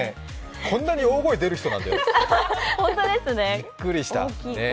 こんなに大声出る人なんだよ、びっくりした。